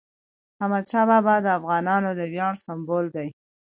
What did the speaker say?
احمدشاه بابا د افغانانو د ویاړ سمبول دی.